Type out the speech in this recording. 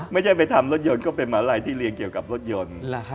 ไม่ใช่ไปทำรถยนต์ก็เป็นหมาลัยที่เรียนเกี่ยวกับรถยนต์